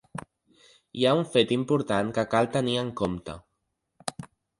Hi ha un fet important que cal tenir en compte.